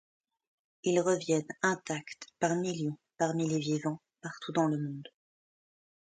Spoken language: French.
Ils reviennent, intacts, par millions, parmi les vivants, partout dans le monde.